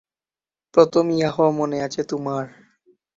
প্রথম ইয়াহ, মনে আছে তোমার?